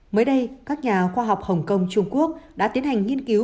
mới đây các nhà khoa học hồng kông trung quốc đã tiến hành nghiên cứu